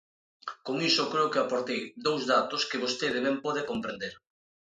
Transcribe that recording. Con iso creo que aportei dous datos que vostede ben pode comprender.